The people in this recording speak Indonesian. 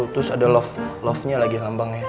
terus ada love nya lagi lambangnya